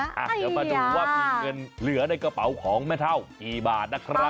เดี๋ยวมาดูว่ามีเงินเหลือในกระเป๋าของแม่เท่ากี่บาทนะครับ